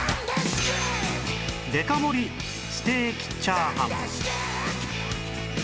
デカ盛りステーキチャーハン